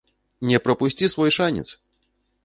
Не прапусці свой шанец!